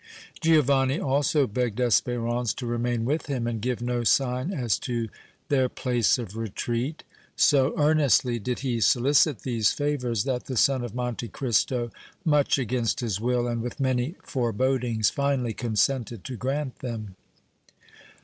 Giovanni also begged Espérance to remain with him and give no sign as to their place of retreat; so earnestly did he solicit these favors that the son of Monte Cristo, much against his will and with many forebodings, finally consented to grant them.